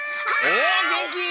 おげんき！